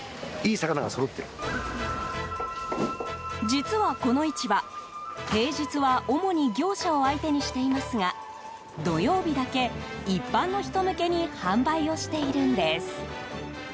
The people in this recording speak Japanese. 実はこの市場、平日は主に業者を相手にしていますが土曜日だけ、一般の人向けに販売をしているんです。